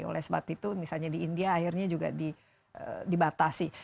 oleh sebab itu misalnya di india akhirnya juga dibatasi